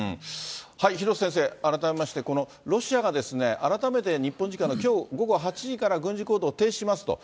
廣瀬先生、改めまして、このロシアが改めて日本時間のきょう午後８時から軍事行動を停止しますと。